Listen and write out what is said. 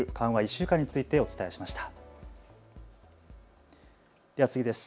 １週間についてお伝えしました。